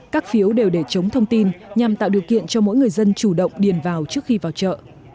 các phiếu đều để chống thông tin nhằm tạo điều kiện cho mỗi người dân chủ động điền vào trước khi vào chợ